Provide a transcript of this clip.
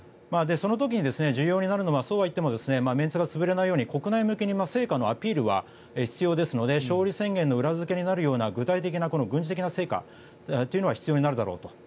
その時に重要になるのはそうはいってもメンツが潰れないように国内向けに成果のアピールは必要ですので勝利宣言の裏付けになるような具体的な軍事的成果というのが必要になるだろうと。